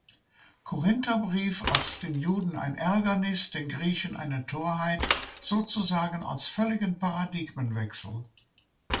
Korintherbrief als „den Juden ein Ärgernis, den Griechen eine Torheit“, sozusagen als völligen Paradigmenwechsel.